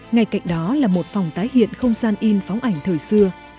ngay cạnh đó là một phòng tái hiện không gian in phóng ảnh thời xưa